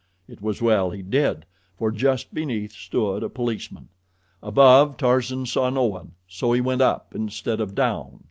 It was well he did, for just beneath stood a policeman. Above, Tarzan saw no one, so he went up instead of down.